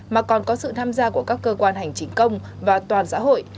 mà còn có sự tham gia của các cơ quan hành chính công và toàn xã hội